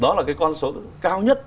đó là cái con số cao nhất